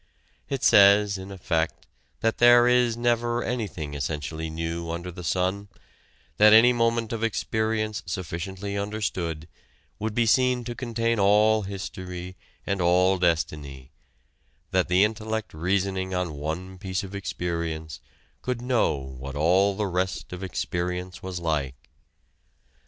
It says in effect that there is never anything essentially new under the sun, that any moment of experience sufficiently understood would be seen to contain all history and all destiny that the intellect reasoning on one piece of experience could know what all the rest of experience was like.